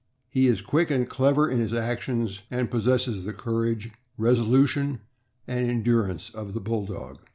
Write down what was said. He is quick and clever in his actions, and pos sesses the courage, resolution, and endurance of the Bull dog.